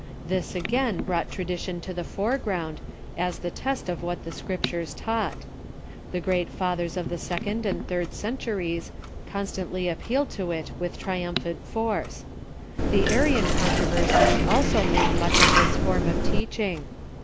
This again brought tradition to the foreground as the test of what the Scriptures taught. The great Fathers of the second and third centuries constantly appealed to it with tri umphant force. The Arian controversy also made much of this form of teaching.